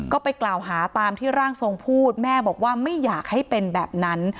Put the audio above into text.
ก็ไปกล่าวหาตามที่ร่างทรงพูดแม่บอกว่าไม่อยากให้เป็นแบบนั้น